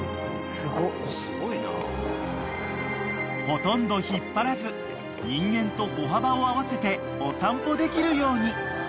［ほとんど引っ張らず人間と歩幅を合わせてお散歩できるように］